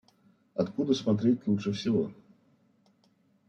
Откуда смотреть лучше всего?